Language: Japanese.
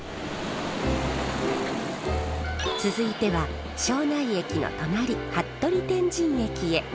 続いては庄内駅の隣服部天神駅へ。